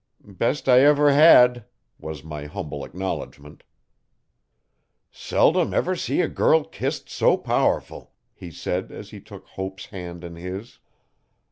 'Best I ever had,' was my humble acknowledgement. 'Seldom ever see a girl kissed so powerful,' he said as he took Hope's hand in his.